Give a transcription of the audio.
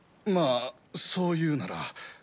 まあそう言うなら。